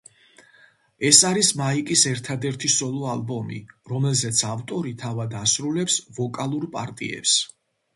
ეს არის მაიკის ერთადერთი სოლო ალბომი, რომელზეც ავტორი თავად ასრულებს ვოკალურ პარტიებს.